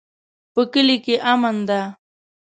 په کلي کې امن ده